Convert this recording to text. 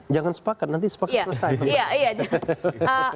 jangan sepakat nanti sepakat selesai